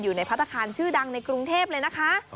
ในพัฒนาคารชื่อดังในกรุงเทพเลยนะคะ